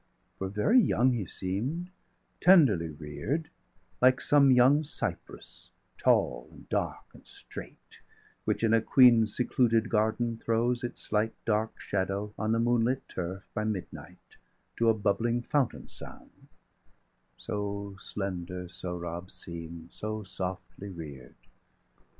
For very young he seem'd, tenderly rear'd; Like some young cypress, tall, and dark, and straight, Which in a queen's secluded garden throws 315 Its slight dark shadow on the moonlit turf, By midnight, to a bubbling fountain's sound So slender Sohrab seem'd,° so softly rear'd.